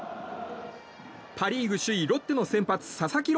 パ・リーグ首位ロッテの先発佐々木朗